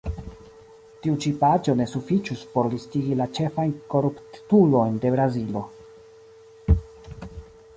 Tiu ĉi paĝo ne sufiĉus por listigi la ĉefajn koruptulojn de Brazilo.